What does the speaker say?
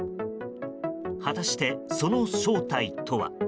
果たして、その正体とは？